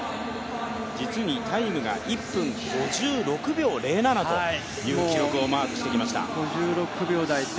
実にタイムが１分５６秒０７という記録をマークしてきました。